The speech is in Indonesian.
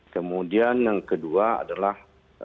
kemudian yang kedua adalah